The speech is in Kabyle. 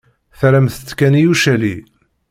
Terramt-tt kan i ucali.